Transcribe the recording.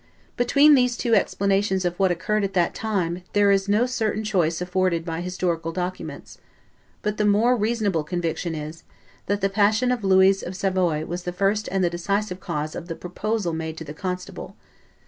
Between these two explanations of what occurred at that time, there is no certain choice afforded by historical documents; but the more reasonable conviction is, that the passion of Louise of Savoy was the first and the decisive cause of the proposal made to the constable.